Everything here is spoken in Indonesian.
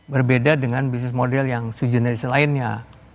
berbeda dengan bisnis model yang sejener lainnya